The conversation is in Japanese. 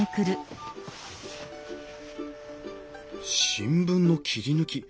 新聞の切り抜き